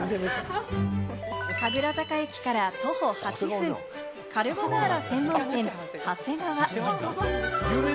神楽坂駅から徒歩８分、カルボナーラ専門店・ＨＡＳＥＧＡＷＡ。